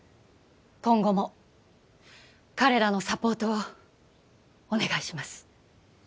今後も彼らのサポートをお願いします